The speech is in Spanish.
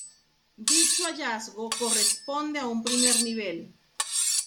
Dicho hallazgo corresponde a un primer nivel.